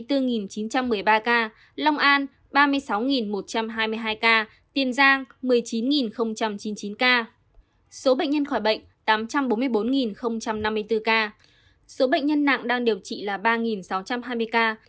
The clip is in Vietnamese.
tiền giang một mươi chín chín mươi chín ca số bệnh nhân khỏi bệnh tám trăm bốn mươi bốn năm mươi bốn ca số bệnh nhân nặng đang điều trị là ba sáu trăm hai mươi ca